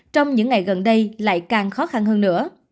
trong những ngày gần đây lại càng khó khăn hơn nữa